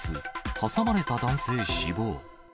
挟まれた男性死亡。